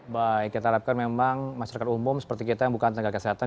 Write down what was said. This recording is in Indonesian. baik kita harapkan memang masyarakat umum seperti kita yang bukan tenaga kesehatan